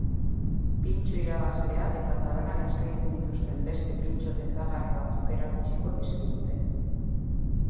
Pintxo irabazlea eta tabernan eskaintzen dituzten beste pintxo tentagarri batzuk erakutsiko dizkigute.